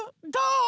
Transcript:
どう？